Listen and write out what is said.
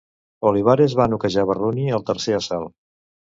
Olivares va noquejar Burruni al tercer assalt.